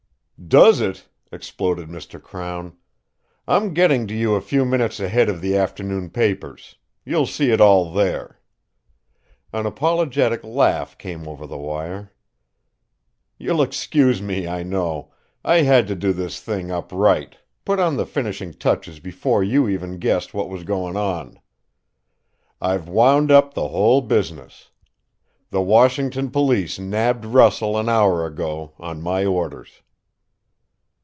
"Does it!" exploded Mr. Crown. "I'm getting to you a few minutes ahead of the afternoon papers. You'll see it all there." An apologetic laugh came over the wire. "You'll excuse me, I know; I had to do this thing up right, put on the finishing touches before you even guessed what was going on. I've wound up the whole business. The Washington police nabbed Russell an hour ago, on my orders.